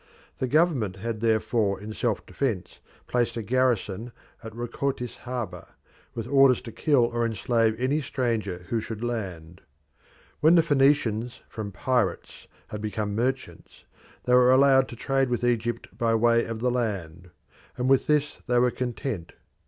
The government had therefore in self defence placed a garrison at Rhacotis harbour, with orders to kill or enslave any stranger who should land. When the Phoenicians from pirates had become merchants they were allowed to trade with Egypt by way of the land, and with this they were content.